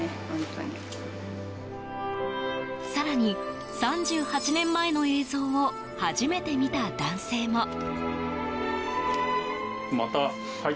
更に、３８年前の映像を初めて見た男性も。